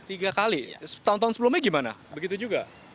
tiga kali tahun tahun sebelumnya gimana begitu juga